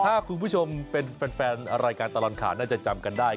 ถ้าคุณผู้ชมเป็นแฟนรายการตลอดข่าวน่าจะจำกันได้